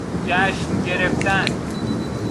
جشن گرفتن